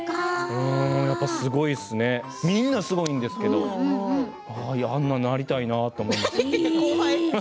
すごいですねみんなすごいんですけどあんな、なりたいなと思って。